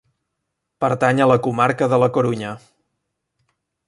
Pertany a la comarca de la Corunya.